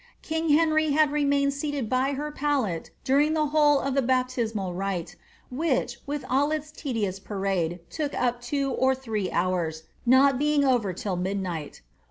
King Henry had remained seated by her pallet during the whole of the baptismal rite, which, with all its tedious parade, to<^ op two or three hours, not being over till midnight.